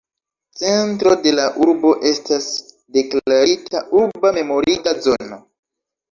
Centro de la urbo estas deklarita urba memoriga zono.